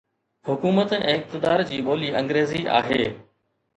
حڪومت ۽ اقتدار جي ٻولي انگريزي آهي.